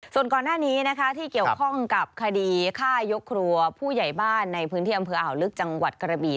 ส่วนก่อนหน้านี้นะคะที่เกี่ยวข้องกับคดีฆ่ายกครัวผู้ใหญ่บ้านในพื้นที่อำเภออ่าวลึกจังหวัดกระบี่